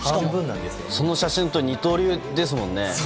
その写真だと二刀流だもんね。